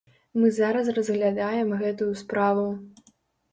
Мы зараз разглядаем гэтую справу.